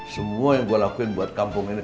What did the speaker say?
semua yang gue lakuin buat kampung ini